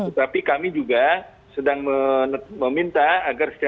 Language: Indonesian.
tetapi kami juga sedang meminta agar siap siap